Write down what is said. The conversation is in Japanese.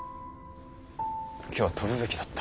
今日は飛ぶべきだった。